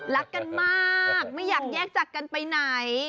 รักกันมากไม่อยากแยกจากกันไปไหน